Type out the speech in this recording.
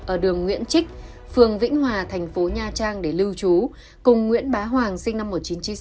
ở đường nguyễn trích phường vĩnh hòa thành phố nha trang để lưu trú cùng nguyễn bá hoàng sinh năm một nghìn chín trăm chín mươi